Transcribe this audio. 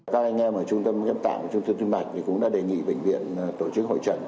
các anh em ở trung tâm ghép tạng trung tâm tim mạch cũng đã đề nghị bệnh viện tổ chức hội trận